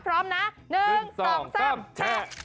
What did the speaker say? พร้อมนะ๑๒๓แชะ๑๒๓แชะ